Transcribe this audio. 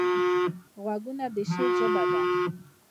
غوږونه د شعر ژبه ده